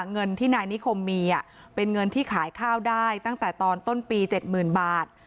เงินที่นายนิคมมีเป็นเงินที่ขายข้าวได้ตั้งแต่ตอนต้นปี๗๐๐๐บาท